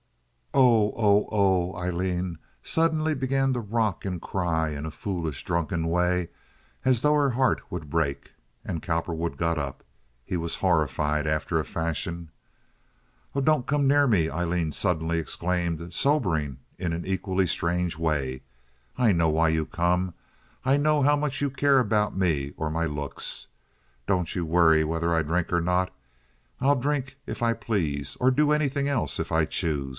"Oh! oh! oh!" Aileen suddenly began to rock and cry in a foolish drunken way, as though her heart would break, and Cowperwood got up. He was horrified after a fashion. "Oh, don't come near me!" Aileen suddenly exclaimed, sobering in an equally strange way. "I know why you come. I know how much you care about me or my looks. Don't you worry whether I drink or not. I'll drink if I please, or do anything else if I choose.